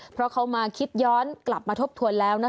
เพราะเขามาคิดย้อนกลับมาทบทวนแล้ว